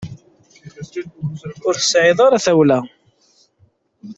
Ur tesɛiḍ ara tawla.